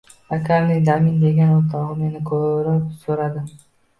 Akamning Damin degan o‘rtog‘i meni ko‘rib so‘radi.